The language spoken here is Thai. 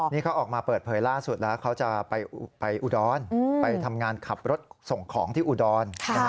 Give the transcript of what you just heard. นี่เขาออกมาเปิดเผยล่าสุดแล้วเขาจะไปอุดรไปทำงานขับรถส่งของที่อุดร